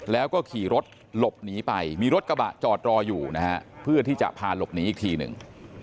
แล้วก็ขี่รถหลบหนีไปมีรถกระบะจอดรออยู่นะฮะเพื่อที่จะพาหลบหนีอีกทีหนึ่ง